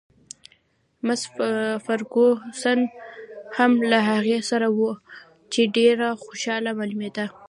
مس فرګوسن هم له هغې سره وه، چې ډېره خوشحاله معلومېده.